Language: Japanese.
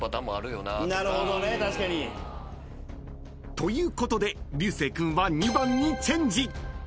［ということで流星君は２番にチェンジ］